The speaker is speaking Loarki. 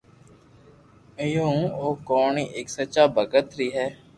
اھيو ھون او ڪہوني ايڪ سچا ڀگت ري ھي